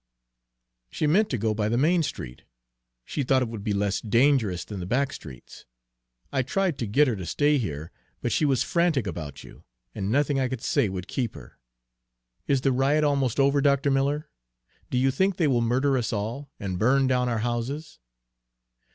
"She meant to go by the main street. She thought it would be less dangerous than the back streets. I tried to get her to stay here, but she was frantic about you, and nothing I could say would keep her. Is the riot almost over, Dr. Miller? Do you think they will murder us all, and burn down our houses?"